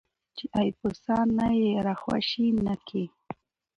چې اېپوسه نه یې ارخوشي نه کي.